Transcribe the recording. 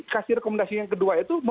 kasih rekomendasi yang kedua itu